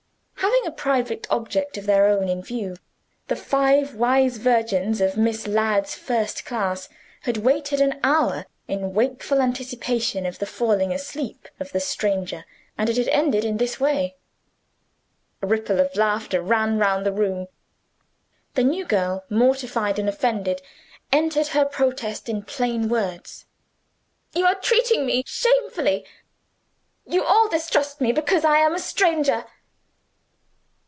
Having a private object of their own in view, the five wise virgins of Miss Ladd's first class had waited an hour, in wakeful anticipation of the falling asleep of the stranger and it had ended in this way! A ripple of laughter ran round the room. The new girl, mortified and offended, entered her protest in plain words. "You are treating me shamefully! You all distrust me, because I am a stranger."